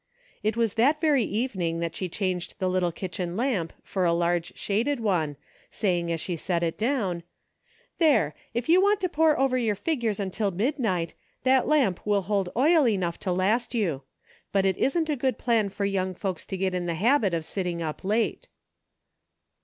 It who that very evening that she changed the little kitchen lamp for a large shaded one, saying as she set it down : "There, if you want to pore over your figures until midnight, that l\mp will hold oil enough to last you ; but it isn't a good plan for young folks to get in the habit of sitf'ng up late."